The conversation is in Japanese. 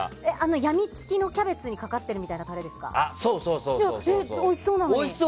やみつきのキャベツにかかっているみたいなそうそう。